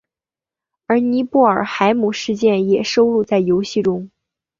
而尼布尔海姆事件也收录在游戏中。